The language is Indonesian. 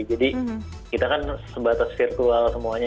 jadi kita kan sebatas virtual semuanya